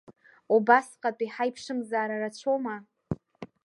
Убасҟатәи ҳаиԥшымзаара рацәоума?